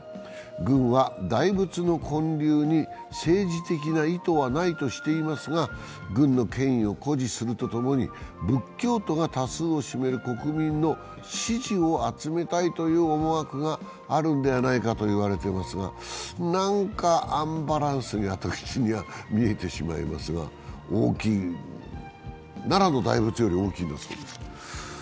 軍は大仏の建立に政治的な意図はないとしていますが、軍の権威を誇示するとともに、仏教徒が多数を占める国民の支持を集めたいという思惑があるのではないかと言われていますが、アンバランスに私には見えてしまいますが、奈良の大仏より大きいんだそうです。